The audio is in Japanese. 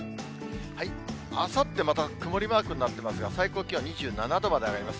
あさってまた曇りマークになっていますが、最高気温２７度まで上がります。